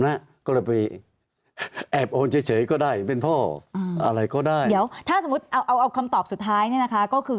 แต่โอลอาจจะเห็นว่าเป็นพ่อ